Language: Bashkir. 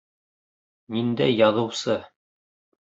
Ниндәй яҙыусы?